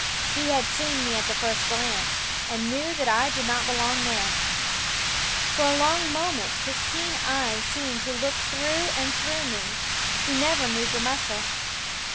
He had seen me at the first glance, and knew that I did not belong there. For a long moment, while his keen eye seemed to look through and through me, he never moved a muscle.